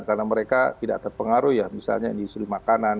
karena mereka tidak terpengaruh ya misalnya di isu dimakanan